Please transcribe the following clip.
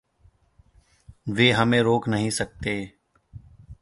वे हमें रोक नहीं सकते।